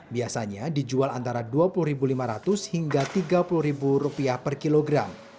biasanya dijual antara dua puluh lima ratus hingga tiga puluh rupiah per kilogram